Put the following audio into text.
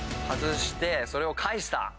外してそれを返した。